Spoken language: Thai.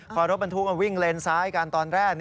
พอรถบรรทุกมาวิ่งเลนซ้ายกันตอนแรก